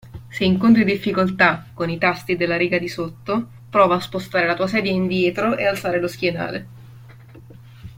Se incontri difficoltà con i tasti della riga di sotto, prova a spostare la tua sedia indietro e alzare lo schienale.